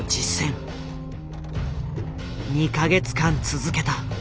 ２か月間続けた。